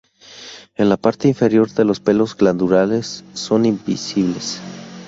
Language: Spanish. En la parte inferior los pelos glandulares son visibles.